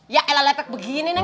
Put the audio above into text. ya elah lepek begini neng